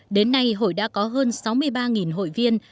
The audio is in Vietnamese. đến nay hội đã có hơn sáu mươi ba hội viên